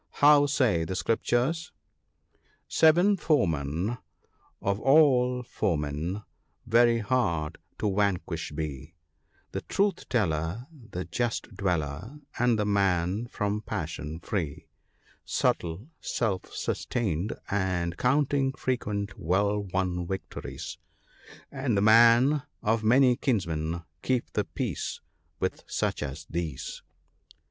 How say the Scriptures ?—" Seven foemen of all foemen, very hard to vanquish be : The Truth teller, the Just dweller, and the man from passion free, Subtle, self sustained, and counting frequent well won victories, And the man of many kinsmen — keep the peace with such as these."